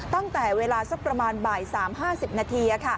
ตั้งแต่เวลาสักประมาณบ่าย๓๕๐นาที